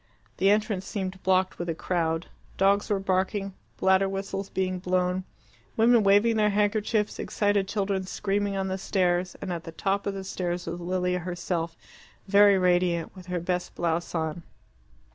The entrance seemed blocked with a crowd. Dogs were barking, bladder whistles being blown, women waving their handkerchiefs, excited children screaming on the stairs, and at the top of the stairs was Lilia herself, very radiant, with her best blouse on.